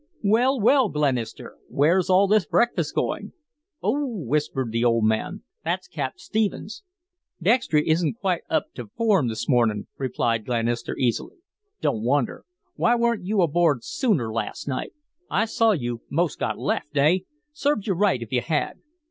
"Well, well, Glenister, where's all the breakfast going?" "Oo!" whispered the old man "that's Cap' Stephens." "Dextry isn't feeling quite up to form this morning," replied Glenister easily. "Don't wonder! Why weren't you aboard sooner last night? I saw you 'most got left, eh? Served you right if you had."